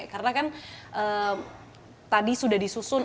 karena kan tadi sudah disusun